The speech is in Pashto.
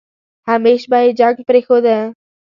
همېش به يې جنګ پرېښوده.